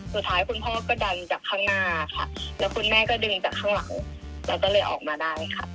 สุดท้ายคุณพ่อก็ดันจากข้างหน้าค่ะแล้วคุณแม่ก็ดึงจากข้างหลังแล้วก็เลยออกมาได้ค่ะ